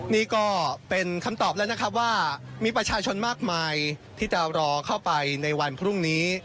นี่ก็เป็นคำตอบแล้วนะครับว่ามีประชาชนมากมายที่จะรอเข้าไปในวันพรุ่งนี้